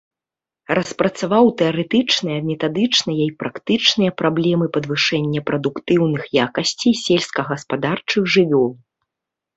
Распрацаваў тэарэтычныя, метадычныя і практычныя праблемы падвышэння прадуктыўных якасцей сельскагаспадарчых жывёл.